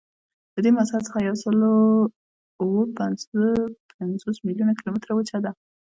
له دې مساحت څخه یوسلاوهپینځهپنځوس میلیونه کیلومتره وچه ده.